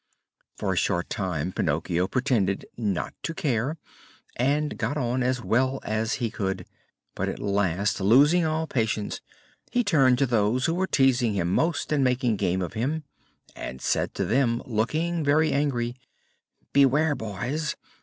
For a short time Pinocchio pretended not to care and got on as well as he could; but at last, losing all patience, he turned to those who were teasing him most and making game of him, and said to them, looking very angry: "Beware, boys!